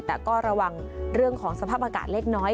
แต่ก็ระวังเรื่องของสภาพอากาศเล็กน้อย